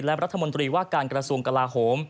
และรัฐมนตรีว่าการกระทรวงกลาโหม